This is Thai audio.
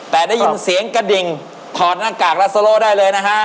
แต่ได้ยินเสียงกระดิ่งถอดหน้ากากรัสโซโลได้เลยนะฮะ